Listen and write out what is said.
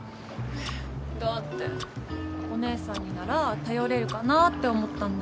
えだってお姉さんになら頼れるかなぁって思ったんだけど。